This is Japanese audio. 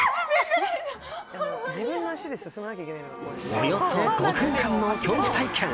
およそ５分間の恐怖体験。